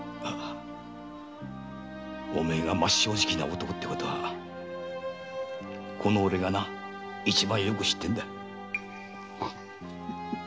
お前が真っ正直な男だってことはこのおれがな一番よく知ってるんだ。